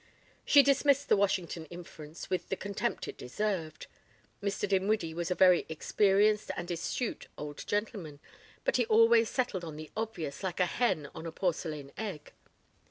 She dismissed the Washington inference with the contempt it deserved. Mr. Dinwiddie was a very experienced and astute old gentleman, but he always settled on the obvious like a hen on a porcelain egg.